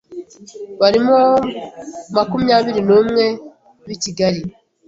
Barimo makumyabiri numwe b’i Kigali,